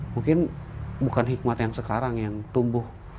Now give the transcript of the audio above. mungkin bukan hikmat yang sekarang yang tumbuh